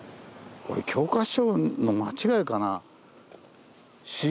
教科書の間違いかな？